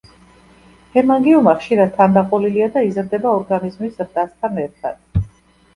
ჰემანგიომა ხშირად თანდაყოლილია და იზრდება ორგანიზმის ზრდასთან ერთად.